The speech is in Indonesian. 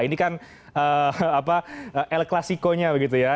ini sudah diperhatikan el clasico nya